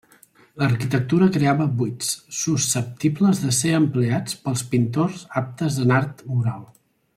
L'arquitectura creava buits, susceptibles de ser empleats pels pintors aptes en art mural.